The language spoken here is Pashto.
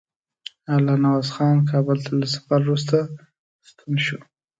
الله نواز خان کابل ته له سفر وروسته ستون شو.